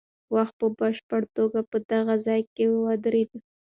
وخت په بشپړه توګه په دغه ځای کې ودرېد.